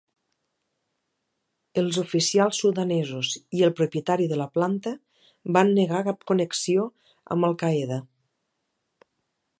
Els oficials sudanesos i el propietari de la planta van negar cap connexió amb Al Qaeda.